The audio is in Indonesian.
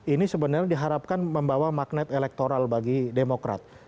ini sebenarnya diharapkan membawa magnet elektoral bagi demokrat